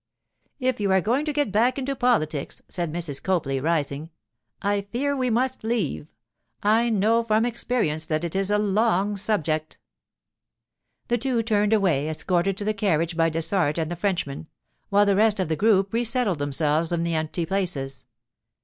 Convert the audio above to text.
'If you are going to get back into politics,' said Mrs. Copley, rising, 'I fear we must leave. I know from experience that it is a long subject.' The two turned away, escorted to the carriage by Dessart and the Frenchman, while the rest of the group resettled themselves in the empty places.